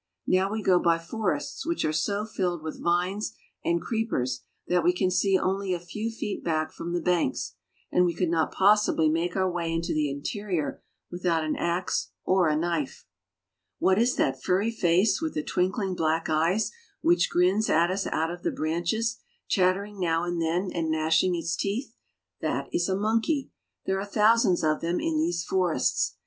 Now we go by forests which are so filled with vines and creepers that we can see only a few feet back from the banks, and we could not possibly make our way into the interior without an ax or a knife. What is that furry face with the twinkling black eyes which grins at us out of the branches, chattering now and then, and gnashing its teeth? That is a monkey. There are thousands of them in these forests.